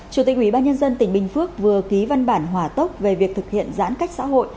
chủ tịch ubnd tỉnh bình phước vừa ký văn bản hỏa tốc về việc thực hiện giãn cách xã hội